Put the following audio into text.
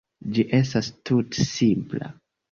Ĝi estas tute simpla.